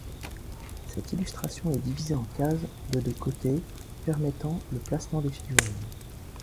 Cette illustration est divisée en cases de de côté, permettant le placement des figurines.